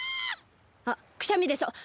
あくしゃみでそう！